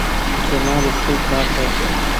زما ریښتینی کار پیل شو .